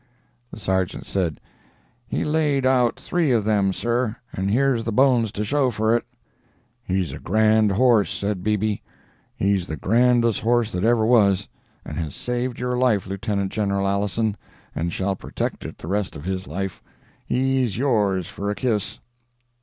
The sergeant said, 'He laid out three of them, sir, and here's the bones to show for it.' 'He's a grand horse,' said BB; 'he's the grandest horse that ever was! and has saved your life, Lieutenant General Alison, and shall protect it the rest of his life—he's yours for a kiss!